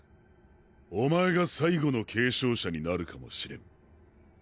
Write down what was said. おまえが最後の継承者になるかもしれん。